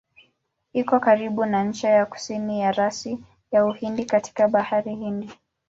Iko karibu na ncha ya kusini ya rasi ya Uhindi katika Bahari Hindi.